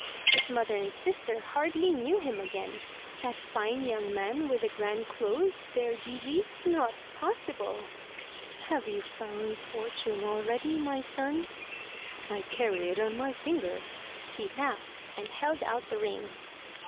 His mother and sister hardly knew him again. That fine young man with the grand clothes their Gigi! Not possible! 346 THROUGH FAIRY HALLS "Have you found fortune already, my son?" " I carry it on my finger/* He laughed, and held out the ring.